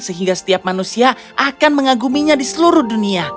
sehingga setiap manusia akan mengaguminya di seluruh dunia